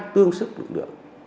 tương sức lực lượng